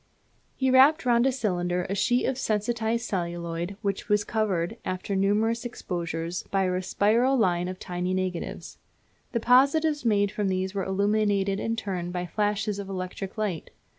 He wrapped round a cylinder a sheet of sensitized celluloid which was covered, after numerous exposures, by a spiral line of tiny negatives. The positives made from these were illuminated in turn by flashes of electric light.